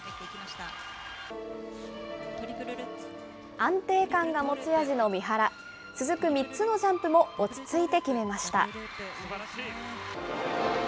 安定感が持ち味の三原、続く３つのジャンプも落ち着いて決めました。